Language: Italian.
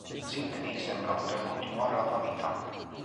Sidney sembra poter continuare la sua vita.